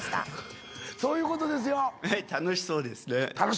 そういうことですよ。